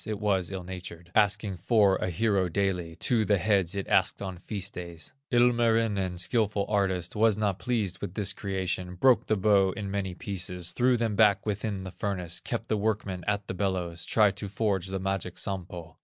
it was ill natured, Asking for a hero daily, Two the heads it asked on feast days. Ilmarinen, skilful artist, Was not pleased with this creation, Broke the bow in many pieces, Threw them back within the furnace, Kept the workmen at the bellows, Tried to forge the magic Sampo.